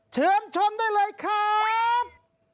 เชิญชมได้เลยครับ